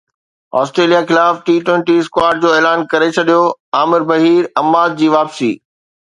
Australia خلاف T twenty squad جو اعلان ڪري ڇڏيو عامر بهير عماد جي واپسي